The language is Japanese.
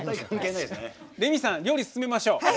レミさん料理、進めましょう。